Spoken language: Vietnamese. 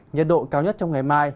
nhiệt độ cao nhất trong ngày mai